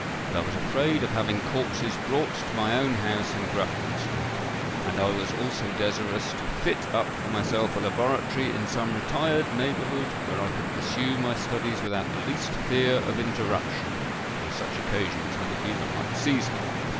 But I was afraid of having corpses brought to my own house in Grafton Street; and I was also desirous to fit up for myself a laboratory in some retired neighbourhood, where I could pursue my studies without the least fear of interruption, on such occasions when the humour might seize me.